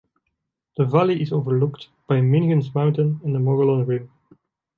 The valley is overlooked by Mingus Mountain and the Mogollon Rim.